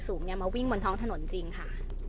สูงเนี่ยมาวิ่งบนท้องถนนจริงค่ะ